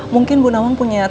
mungkin bunawang punya teman